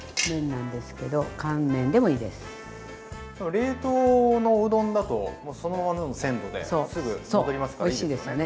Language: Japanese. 冷凍のうどんだとそのままの鮮度ですぐ戻りますからいいですよね。